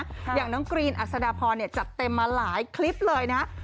อย่างน้องกรีนอัศดาพรเนี่ยจัดเต็มมาหลายคลิปเลยนะ